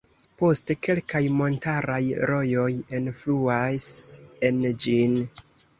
Poste kelkaj montaraj rojoj enfluas en ĝin.